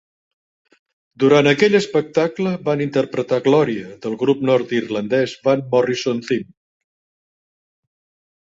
Durant aquell espectacle, van interpretar "Gloria" del grup nord-irlandès de Van Morrison Them.